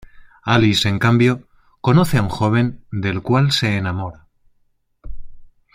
Alice, en cambio, conoce a un joven del cual se enamora.